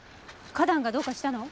花壇がどうかしたの？